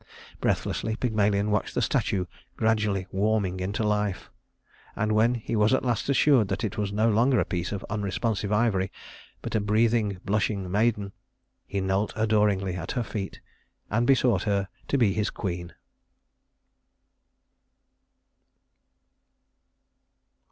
Breathlessly Pygmalion watched the statue gradually warming into life, and when he was at last assured that it was no longer a piece of unresponsive ivory, but a breathing, blushing maiden, he knelt adoringly at her feet and besought her to be his queen.